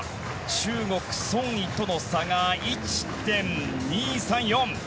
中国、ソン・イとの差が１．２３４。